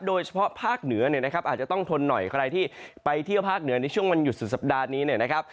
โดยเฉพาะภาคเหนือเนี่ยนะครับอาจจะต้องทนหน่อยใครที่ไปเที่ยวภาคเหนือในช่วงวันหยุดสุดสัปดาห์นี้เนี่ยนะครับ